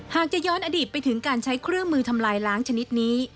จะย้อนอดีตไปถึงการใช้เครื่องมือทำลายล้างชนิดนี้